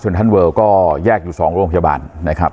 สุริยะท่านเวิลก็แยกอยู่สองโรงพยาบาลนะครับ